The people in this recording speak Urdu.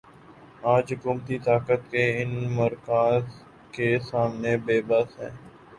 آج حکومتیں طاقت کے ان مراکز کے سامنے بے بس ہیں۔